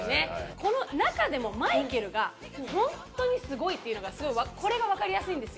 この中でもマイケルがホントにすごいっていうのがこれが分かりやすいんですよ。